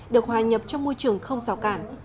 được hòa nhập trong môi trường không rào cản